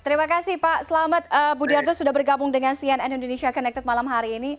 terima kasih pak selamat budiarto sudah bergabung dengan cnn indonesia connected malam hari ini